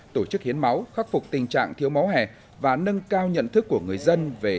tổ chức hiến máu khắc phục tình trạng thiếu máu hẻ và nâng cao nhận thức của người dân